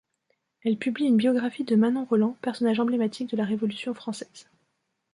Elle publie une biographie de Manon Roland, personnage emblématique de la Révolution française.